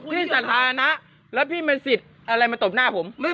พี่สาธารณะแล้วพี่มีศิลป์อะไรมาตบหน้าผม